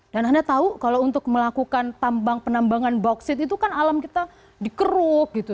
dan anda tahu kalau untuk melakukan tambang penambangan bauksit itu kan alam kita dikeruk gitu